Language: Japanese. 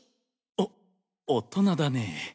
お大人だね。